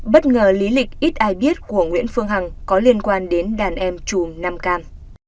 bất ngờ lý lịch ít ai biết của nguyễn phương hằng có liên quan đến đàn em trùm nam cam